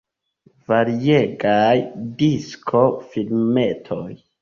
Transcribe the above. Variegaj disko-filmetoj.